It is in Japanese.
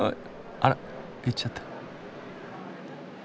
あら行っちゃった。